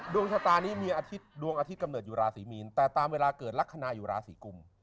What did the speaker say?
ดวงชะตานี้มีอาทิตย์ดวงอาทิตย์กำเนิดอยู่ราศีมีนแต่ตามเวลาเกิดลักษณะอยู่ราศีกุม